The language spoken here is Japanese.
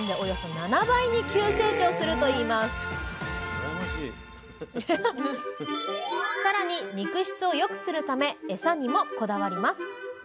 更に肉質を良くするためエサにもこだわります。